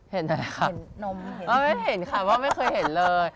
เห็นอะไรค่ะเห็นนมเห็นไม่เห็นค่ะพ่อไม่เคยเห็นเลย